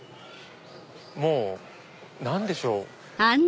もう何でしょう？